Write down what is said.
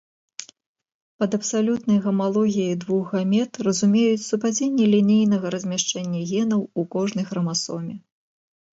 Пад абсалютнай гамалогіяй двух гамет разумеюць супадзенне лінейнага размяшчэння генаў у кожнай храмасоме.